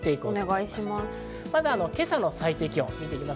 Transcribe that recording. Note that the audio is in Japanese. まずは今朝の最低気温です。